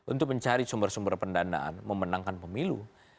untuk mencari sumber sumber pendanaan memenangkan pemilu